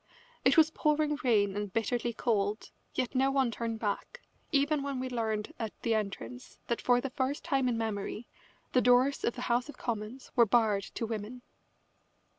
It was pouring rain and bitterly cold, yet no one turned back, even when we learned at the entrance that for the first time in memory the doors of the House of Commons were barred to women.